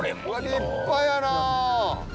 立派やな。